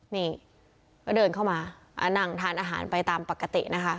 นี่ก็เดินเข้ามานั่งทานอาหารไปตามปกตินะคะ